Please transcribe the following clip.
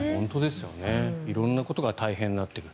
色んなことが大変になってくる。